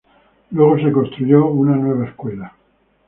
Una nueva escuela fue luego construida.